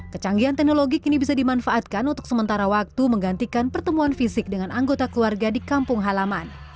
kecanggihan teknologi kini bisa dimanfaatkan untuk sementara waktu menggantikan pertemuan fisik dengan anggota keluarga di kampung halaman